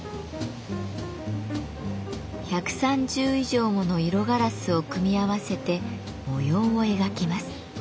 １３０以上もの色ガラスを組み合わせて模様を描きます。